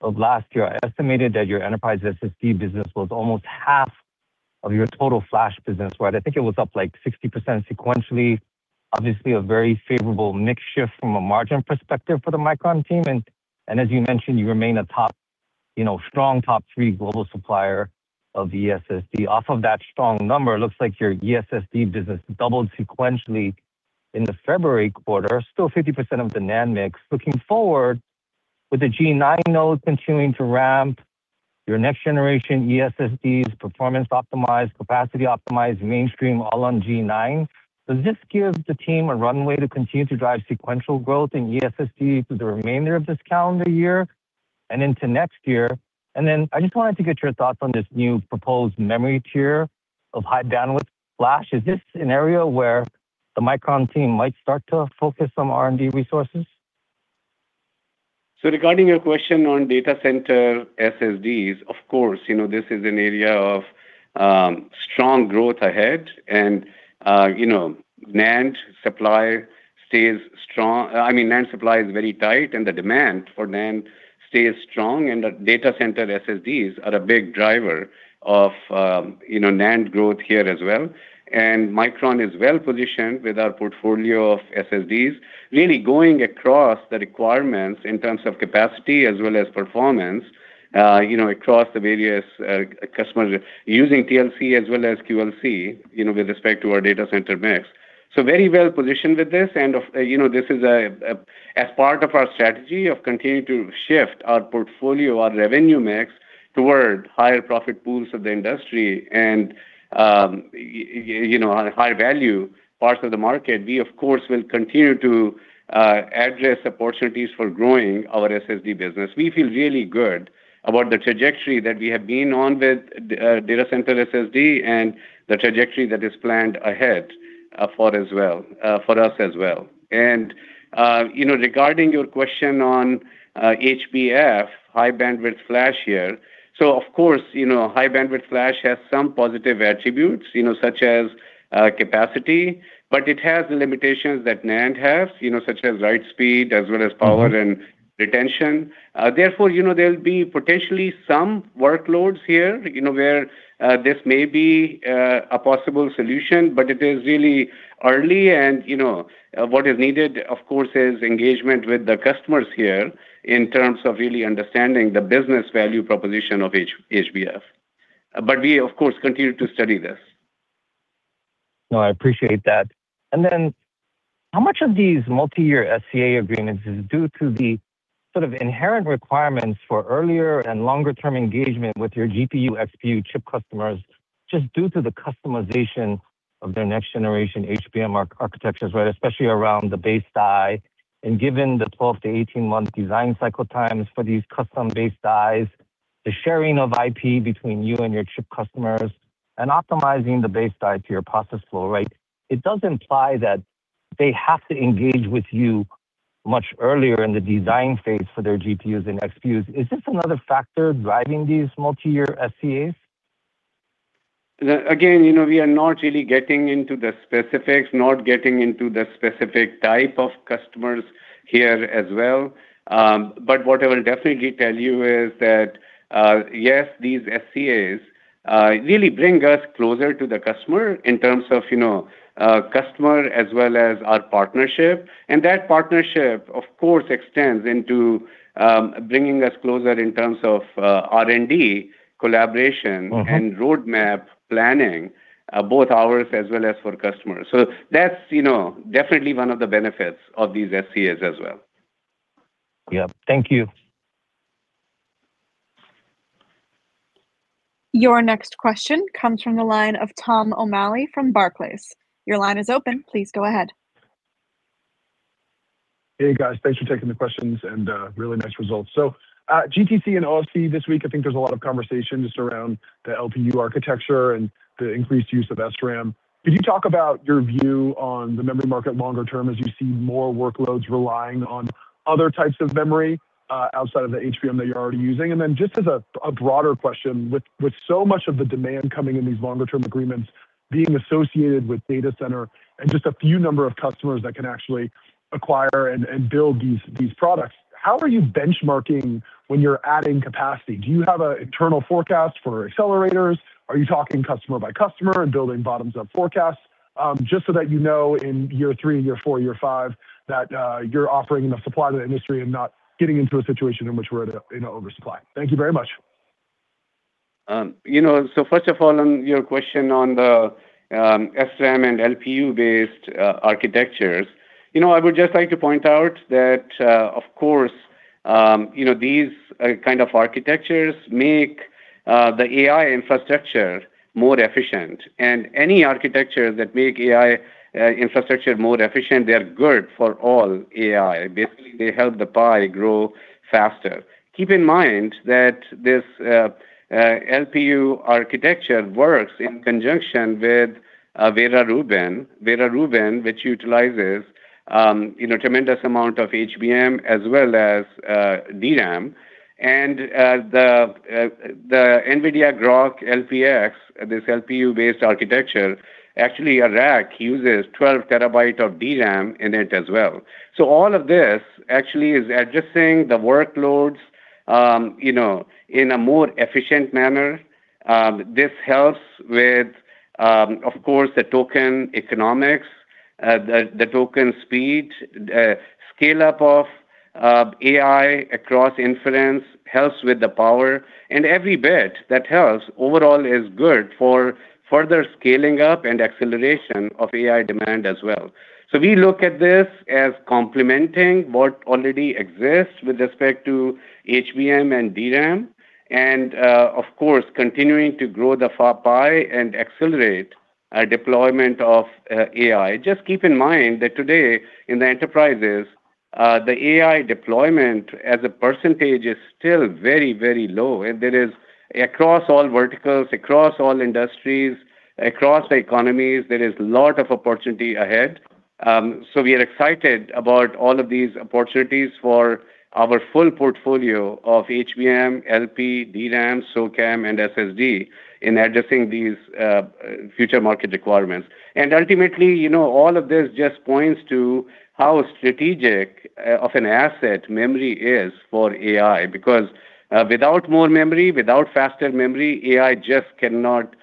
of last year, I estimated that your enterprise SSD business was almost half of your total flash business, right? I think it was up, like, 60% sequentially. Obviously, a very favorable mix shift from a margin perspective for the Micron team. And as you mentioned, you remain a top, you know, strong top three global supplier of ESSD. Off of that strong number, it looks like your ESSD business doubled sequentially in the February quarter, still 50% of the NAND mix. Looking forward, with the G9 node continuing to ramp, your next generation ESSDs, performance optimized, capacity optimized, mainstream, all on G9. Does this give the team a runway to continue to drive sequential growth in ESSD through the remainder of this calendar year and into next year? I just wanted to get your thoughts on this new proposed memory tier of high bandwidth flash. Is this an area where the Micron team might start to focus some R&D resources? Regarding your question on data center SSDs, of course, you know, this is an area of strong growth ahead. You know, NAND supply stays strong. I mean, NAND supply is very tight, and the demand for NAND stays strong. The data center SSDs are a big driver of, you know, NAND growth here as well. Micron is well-positioned with our portfolio of SSDs really going across the requirements in terms of capacity as well as performance, you know, across the various customers using TLC as well as QLC, you know, with respect to our data center mix. Very well positioned with this. As part of our strategy of continuing to shift our portfolio, our revenue mix toward higher profit pools of the industry and, you know, on higher value parts of the market, we of course will continue to address opportunities for growing our SSD business. We feel really good about the trajectory that we have been on with data center SSD and the trajectory that is planned ahead for us as well. You know, regarding your question on HBF, high bandwidth flash here. Of course, you know, high bandwidth flash has some positive attributes, you know, such as capacity, but it has the limitations that NAND has, you know, such as write speed as well as power and retention. Therefore, you know, there'll be potentially some workloads here, you know, where this may be a possible solution, but it is really early and, you know, what is needed, of course, is engagement with the customers here in terms of really understanding the business value proposition of HBM. We of course continue to study this. No, I appreciate that. How much of these multi-year SCA agreements is due to the sort of inherent requirements for earlier and longer term engagement with your GPU, XPU chip customers just due to the customization of their next generation HBM architectures, right? Especially around the base die, and given the 12- months to 18-month design cycle times for these custom base dies, the sharing of IP between you and your chip customers and optimizing the base die to your process flow, right? It does imply that they have to engage with you much earlier in the design phase for their GPUs and XPU. Is this another factor driving these multi-year SCAs? Again, you know, we are not really getting into the specifics, not getting into the specific type of customers here as well. What I will definitely tell you is that yes, these SCAs really bring us closer to the customer in terms of, you know, customer as well as our partnership. That partnership, of course, extends into bringing us closer in terms of R&D collaboration. Mm-hmm. roadmap planning, both ours as well as for customers. That's, you know, definitely one of the benefits of these SCAs as well. Yep. Thank you. Your next question comes from the line of Tom O'Malley from Barclays. Your line is open. Please go ahead. Hey, guys. Thanks for taking the questions and really nice results. GTC and OFC this week, I think there's a lot of conversations around the LPU architecture and the increased use of SRAM. Could you talk about your view on the memory market longer term as you see more workloads relying on other types of memory outside of the HBM that you're already using? Then just as a broader question, with so much of the demand coming in these longer term agreements being associated with data center and just a few in number of customers that can actually acquire and build these products, how are you benchmarking when you're adding capacity? Do you have an internal forecast for accelerators? Are you talking customer by customer and building bottoms up forecasts? Just so that you know in year three, year four, year five that you're offering enough supply to the industry and not getting into a situation in which we're at a in oversupply. Thank you very much. You know, first of all, on your question on the SRAM and LPU based architectures, you know, I would just like to point out that, of course, you know, these kind of architectures make the AI infrastructure more efficient and any architecture that make AI infrastructure more efficient, they're good for all AI. Basically, they help the pie grow faster. Keep in mind that this LPU architecture works in conjunction with Vera Rubin. Vera Rubin, which utilizes, you know, tremendous amount of HBM as well as DRAM and the Nvidia Groq LPX, this LPU based architecture, actually a rack uses 12 TB of DRAM in it as well. All of this actually is addressing the workloads, you know, in a more efficient manner. This helps with, of course, the token economics, the token speed, scale up of AI across inference, helps with the power and every bit that helps overall is good for further scaling up and acceleration of AI demand as well. We look at this as complementing what already exists with respect to HBM and DRAM, and, of course, continuing to grow the pie and accelerate deployment of AI. Just keep in mind that today in the enterprises, the AI deployment as a percentage is still very, very low. There is across all verticals, across all industries, across economies, a lot of opportunity ahead. We are excited about all of these opportunities for our full portfolio of HBM, LP, DRAM, LPCAMM2 and SSD in addressing these future market requirements. Ultimately, you know, all of this just points to how strategic of an asset memory is for AI because without more memory, without faster memory, AI just cannot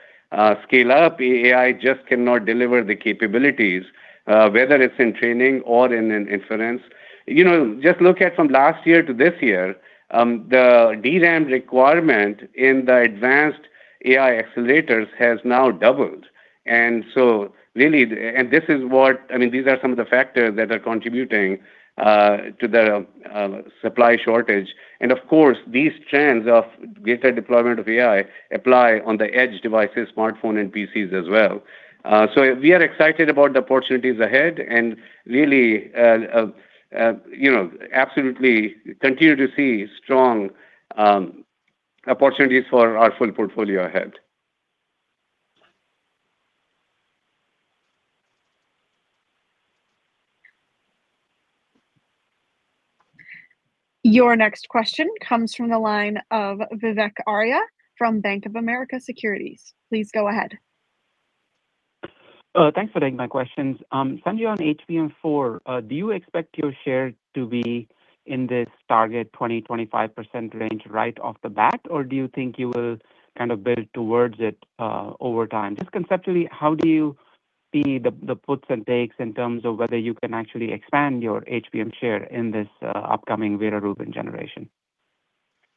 scale up. AI just cannot deliver the capabilities whether it's in training or in an inference. You know, just look at from last year to this year the DRAM requirement in the advanced AI accelerators has now doubled. Really, and this is what, I mean, these are some of the factors that are contributing to the supply shortage. Of course, these trends of greater deployment of AI apply on the edge devices, smartphone, and PCs as well. We are excited about the opportunities ahead and really you know, absolutely continue to see strong opportunities for our full portfolio ahead. Your next question comes from the line of Vivek Arya from Bank of America Securities. Please go ahead. Thanks for taking my questions. Sanjay, on HBM4, do you expect your share to be in this target 20%-25% range right off the bat? Or do you think you will kind of build towards it over time? Just conceptually, how do you see the puts and takes in terms of whether you can actually expand your HBM share in this upcoming Vera Rubin generation?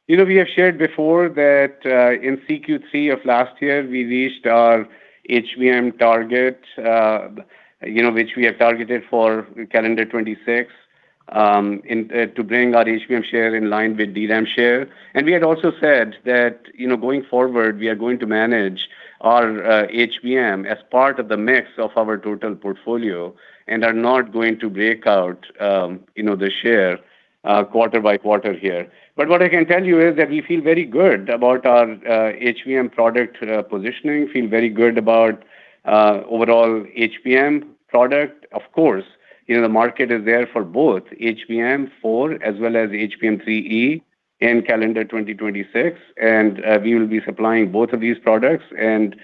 You know, we have shared before that in Q3 of last year, we reached our HBM target, you know, which we have targeted for calendar 2026, and to bring our HBM share in line with DRAM share. We had also said that, you know, going forward, we are going to manage our HBM as part of the mix of our total portfolio and are not going to break out, you know, the share, quarter by quarter here. But what I can tell you is that we feel very good about our HBM product positioning. Feel very good about overall HBM product. Of course, you know, the market is there for both HBM4 as well as HBM3E in calendar 2026, and we will be supplying both of these products and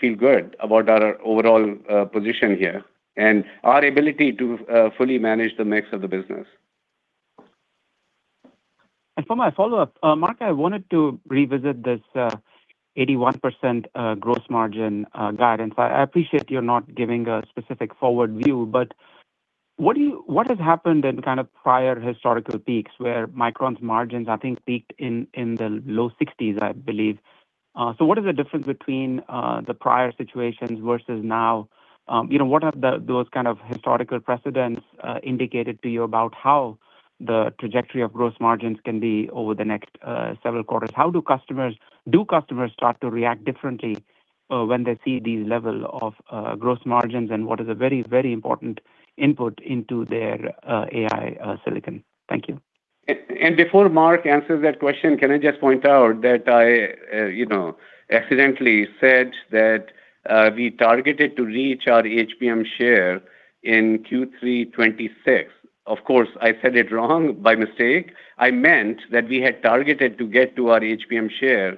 feel good about our overall position here and our ability to fully manage the mix of the business. For my follow-up, Mark, I wanted to revisit this 81% gross margin guidance. I appreciate you're not giving a specific forward view, but what has happened in kind of prior historical peaks where Micron's margins, I think, peaked in the low 60s%, I believe. What is the difference between the prior situations versus now? You know, what have those kind of historical precedents indicated to you about how the trajectory of gross margins can be over the next several quarters? Do customers start to react differently when they see these level of gross margins and what is a very, very important input into their AI silicon? Thank you. Before Mark answers that question, can I just point out that I, you know, accidentally said that we targeted to reach our HBM share in Q3 2026. Of course, I said it wrong by mistake. I meant that we had targeted to get to our HBM share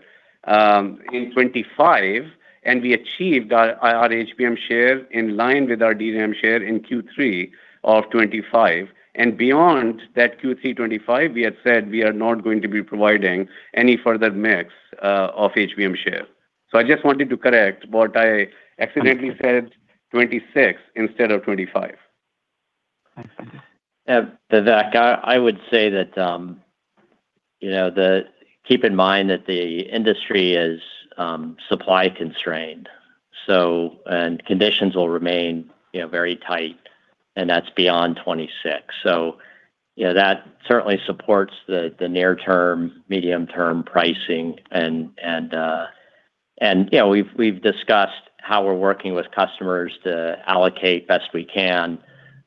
in 2025, and we achieved our HBM share in line with our DRAM share in Q3 of 2025. Beyond that Q3 2025, we had said we are not going to be providing any further mix of HBM share. So I just wanted to correct what I accidentally said twenty-six instead of twenty-five. Thanks. Vivek Arya, I would say that, you know, keep in mind that the industry is supply constrained, so conditions will remain, you know, very tight, and that's beyond 2026. So, you know, that certainly supports the near term, medium term pricing and, you know, we've discussed how we're working with customers to allocate best we can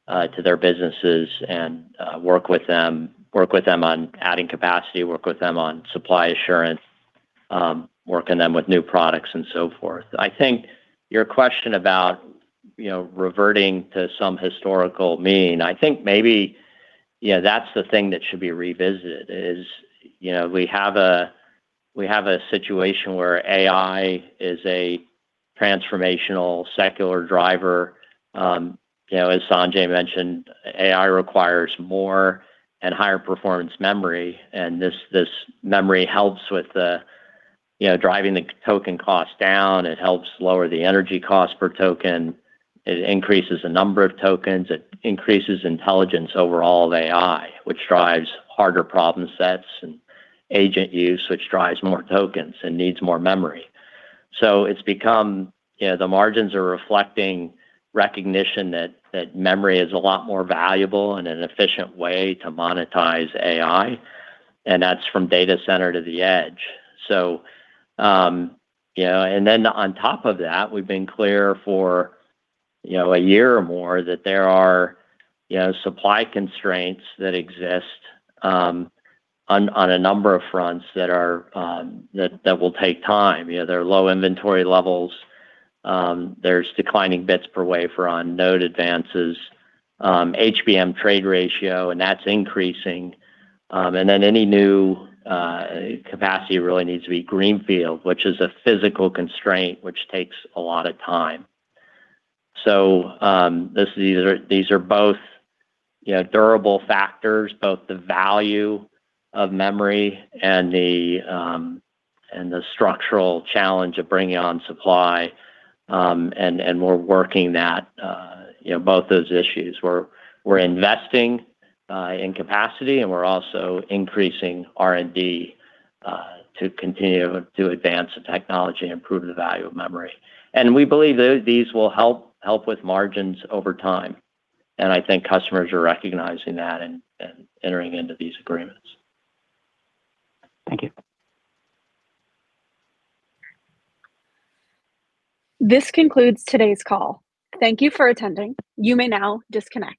to their businesses and work with them on adding capacity, work with them on supply assurance, work with them on new products and so forth. I think your question about, you know, reverting to some historical mean, I think maybe, you know, that's the thing that should be revisited is, you know, we have a situation where AI is a transformational secular driver. You know, as Sanjay mentioned, AI requires more and higher performance memory. This memory helps with the, you know, driving the token cost down. It helps lower the energy cost per token. It increases the number of tokens. It increases intelligence overall of AI, which drives harder problem sets and agent use, which drives more tokens and needs more memory. It's become, you know, the margins are reflecting recognition that memory is a lot more valuable and an efficient way to monetize AI, and that's from data center to the edge. You know, on top of that, we've been clear for, you know, a year or more that there are, you know, supply constraints that exist on a number of fronts that will take time. You know, there are low inventory levels. There's declining bits per wafer on node advances, HBM trade ratio, and that's increasing. Then any new capacity really needs to be greenfield, which is a physical constraint, which takes a lot of time. These are both, you know, durable factors, both the value of memory and the structural challenge of bringing on supply. We're working that, you know, both those issues. We're investing in capacity, and we're also increasing R&D to continue to advance the technology and improve the value of memory. We believe these will help with margins over time, and I think customers are recognizing that and entering into these agreements. Thank you. This concludes today's call. Thank you for attending. You may now disconnect.